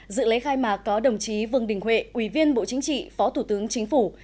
dự lễ khai mạc có đồng chí vương đình huệ ủy viên bộ chính trị phó thủ tướng chính phủ